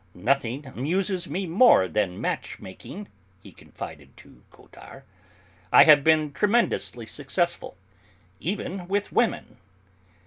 "Nothing amuses me more than match making," he confided to Cottard; "I have been tremendously successful, even with women!"